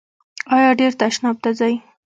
ایا ډیر تشناب ته ځئ؟